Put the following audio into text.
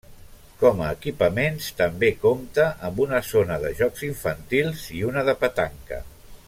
Com a equipaments també compta amb una zona de jocs infantils i una de petanca.